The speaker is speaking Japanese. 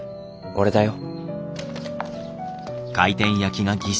俺だよ。